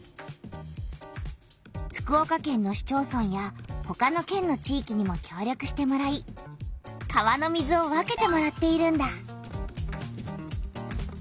福岡県の市町村やほかの県の地いきにもきょう力してもらい川の水を分けてもらっているんだ。